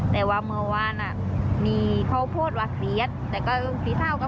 แต่ว่าเมื่อวานอ่ะมีข้าวโพดว่าเสียดแต่ก็สีเทาก็